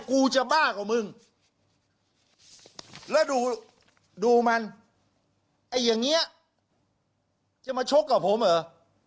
กูจะบ้ากว่ามึงแล้วดูดูมันไอ้อย่างเงี้ยจะมาชกกับผมเหรอ